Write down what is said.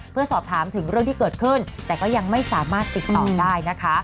เพื่อสอบถามถึงเรื่องที่เกิดขึ้นแต่ก็ยังไม่สามารถติดต่อได้นะคะ